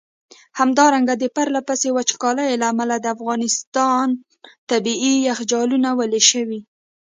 همدارنګه د پرله پسي وچکالیو له امله د افغانستان ٪ طبیعي یخچالونه ویلي شوي.